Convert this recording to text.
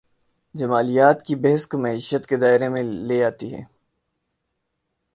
جمالیات کی بحث کو معیشت کے دائرے میں لے آتی ہے۔